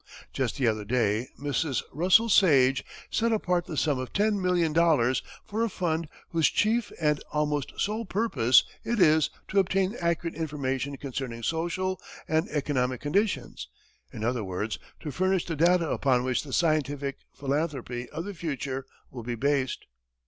Just the other day, Mrs. Russell Sage set apart the sum of ten million dollars for a fund whose chief and almost sole purpose it is to obtain accurate information concerning social and economic conditions in other words, to furnish the data upon which the scientific philanthropy of the future will be based.